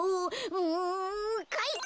うんかいか！